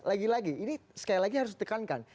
lagi lagi ini sekali lagi harus ditekankan